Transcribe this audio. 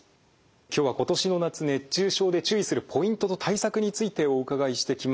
今日は今年の夏熱中症で注意するポイントと対策についてお伺いしてきました。